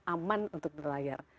aman untuk berlayar